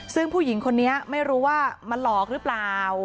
ซึ่งผู้หญิงคนนี้ไม่รู้ว่ามาหลอกหรือเปล่า